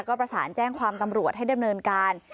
ก็ประสานแจ้งความตำรวจให้ดำเนินการ